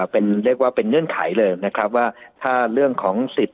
เป็นเรียกว่าเป็นเงื่อนไขเลยนะครับว่าถ้าเรื่องของสิทธิ์